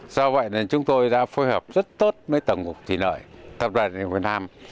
do vậy nên chúng tôi đã phối hợp rất tốt với tầng cục thủy lợi tập đoàn việt nam